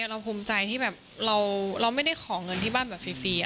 เราภูมิใจที่แบบเราไม่ได้ขอเงินที่บ้านแบบฟรี